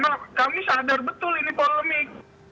karena kami sadar betul ini polemik